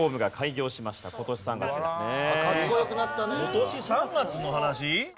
今年３月の話？